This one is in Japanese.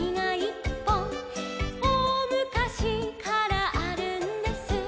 「おおむかしからあるんです」